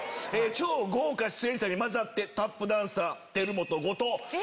超豪華出演者に交ざってタップダンサー」。